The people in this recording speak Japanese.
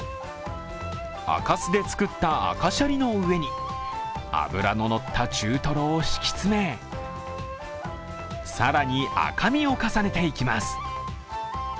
赤酢で作った赤シャリのうえに脂ののった中トロを敷き詰め、更に、赤身を重ねていきます。